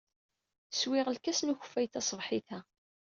Swiɣ lkas n ukeffay taṣebḥit-a.